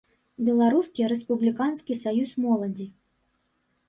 Беларускі рэспубліканскі саюз моладзі.